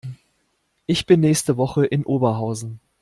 Ich bin nächste Woche in Oberhausen